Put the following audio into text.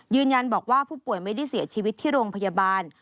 ยืนยันบอกว่าผู้ป่วยไม่ได้เสียชีวิตที่โรงพยาบาล